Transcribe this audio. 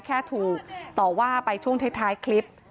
แค่ถูกต่อว่าไปช่วงท้ายคลิป